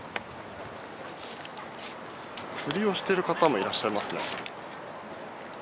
釣りをしてる方もいらっしゃいますね。